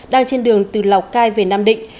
đang trên đường từ lào cai về nam định